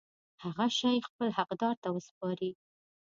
هغه شی خپل حقدار ته وسپاري.